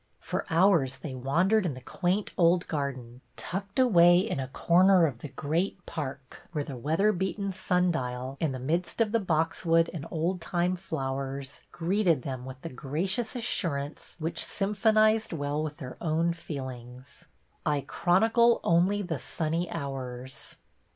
For hours they wandered in the quaint old garden, tucked away in a corner of the great park, where the weather beaten sun dial, in the midst of the boxwood and old time flowers, greeted them with the gracious assurance which symphonized well with their own feelings, " I chronicle only the sunny hours."